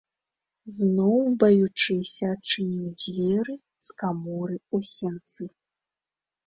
Зноў, баючыся, адчыніў дзверы з каморы ў сенцы.